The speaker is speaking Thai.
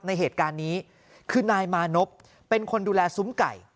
ในเหตุการณ์นี้คือนายมานพเป็นคนดูแลซุ้มไก่